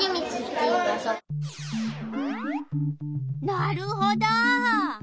なるほど。